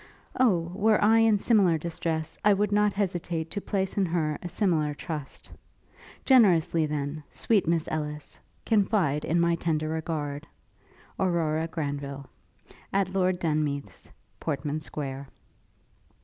Oh! were I in similar distress, I would not hesitate to place in her a similar trust! Generously, then, sweet Miss Ellis, confide in my tender regard. 'AURORA GRANVILLE.' 'At Lord Denmeath's, Portman Square.'